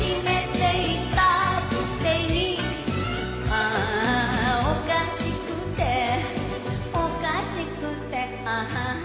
「ああおかしくておかしくてハハハ」